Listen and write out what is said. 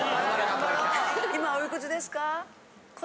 今おいくつですか？